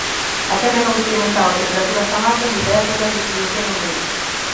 A Terra non experimentaba temperaturas tan altas desde a época do Plioceno medio.